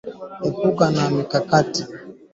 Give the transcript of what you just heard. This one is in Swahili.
Epua viazilishe vyako baada ya dakika tano